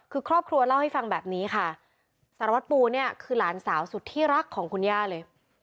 คือครอบครัวเล่าให้ฟังแบบนี้ค่ะสารวัตรปูเนี่ยคือหลานสาวสุดที่รักของคุณย่าเลย